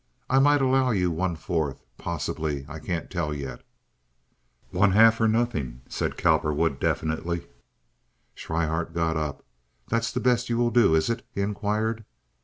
I might allow you one fourth, possibly—I can't tell yet." "One half or nothing," said Cowperwood, definitely. Schryhart got up. "That's the best you will do, is it?" he inquired.